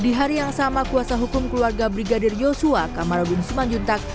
di hari yang sama kuasa hukum keluarga brigadir yosua kamarudin simanjuntak